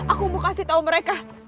aku mau kasih tau mereka